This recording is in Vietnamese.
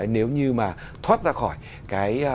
nếu như mà thoát ra khỏi cái